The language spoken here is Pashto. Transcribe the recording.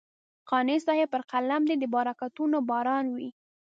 قانع صاحب پر قلم دې د برکتونو باران وي.